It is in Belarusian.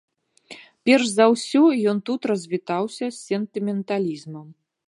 Перш за ўсё ён тут развітаўся з сентыменталізмам.